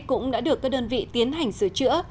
cũng đã được các đơn vị tiến hành sửa chữa